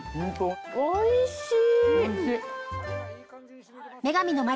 おいしい！